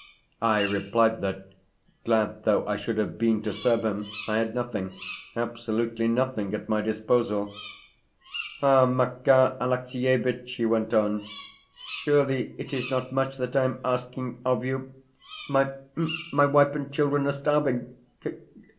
I replied that, glad though I should have been to serve him, I had nothing, absolutely nothing, at my disposal. "Ah, Makar Alexievitch," he went on, "surely it is not much that I am asking of you? My my wife and children are starving.